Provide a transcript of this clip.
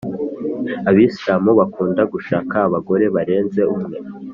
abisilamu bakunda gushaka abagore barenze umwe